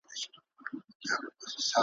وخت په وخت به یې پر کور کړلی پوښتني ,